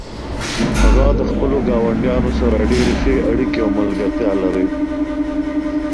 هغه د خپلو ګاونډیانو سره ډیرې ښې اړیکې او ملګرتیا لري